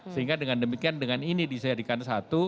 sehingga dengan demikian dengan ini disediakan